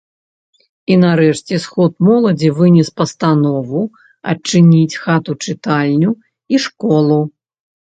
І нарэшце сход моладзі вынес пастанову адчыніць хату-чытальню і школу.